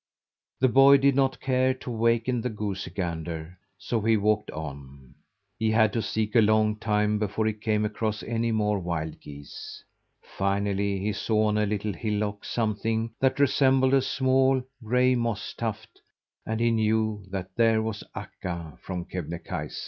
The boy did not care to waken the goosey gander, so he walked on. He had to seek a long time before he came across any more wild geese. Finally, he saw on a little hillock something that resembled a small, gray moss tuft, and he knew that there was Akka from Kebnekaise.